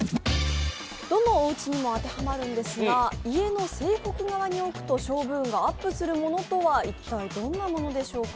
どのおうちにも当てはまるんですが、家の西北側に置くと勝負運がアップするものとは一体どんなものでしょうか。